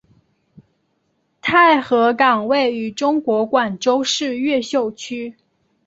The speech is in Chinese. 太和岗位于中国广州市越秀区。